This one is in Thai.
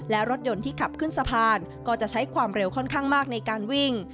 และรถยนต์ที่ขับขึ้นสะพานก็จะใช้ความเร็วค่อนข้างมากในการวิ่ง